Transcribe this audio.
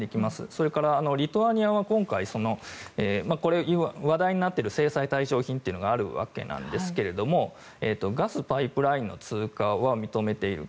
それから、リトアニアは今回話題になっている制裁対象品というのがあるわけなんですがガスパイプラインの通過は認めている。